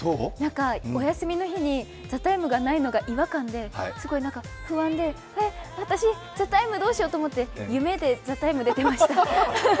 お休みの日に「ＴＨＥＴＩＭＥ，」がないのが違和感で、すごい不安で、えっ、私、「ＴＨＥＴＩＭＥ，」どうしようと思って夢で「ＴＨＥＴＩＭＥ，」出てました。